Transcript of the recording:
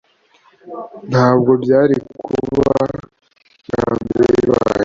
Ntabwo byari kuba ubwambere bibaye